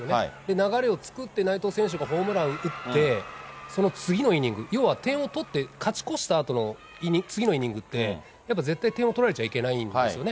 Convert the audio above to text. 流れを作って、内藤選手が選手がホームラン打ってその次のイニング、要は点を取って勝ち越したあとの次のイニングって、やっぱ絶対点を取られちゃいけないんですよね。